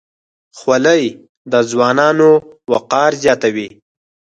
خولۍ د ځوانانو وقار زیاتوي.